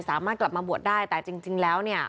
สามารถกลับมาบวชได้แต่จริงแล้วเนี่ย